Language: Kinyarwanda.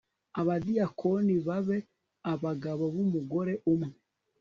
abadiyakoni babe abagabo b umugore umwe